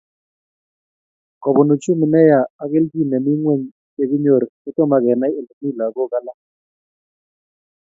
Kobun uchumi neya ak kelchin nemi ngweny cheki kinyor kotomakenai Ole mi lagok alak